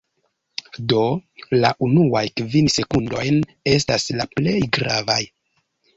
Do la unuaj kvin sekundojn estas la plej gravaj